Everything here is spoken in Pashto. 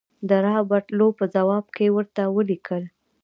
رابرټ لو په ځواب کې ورته ولیکل.